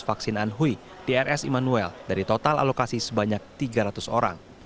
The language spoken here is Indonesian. vaksin anhui di rs immanuel dari total alokasi sebanyak tiga ratus orang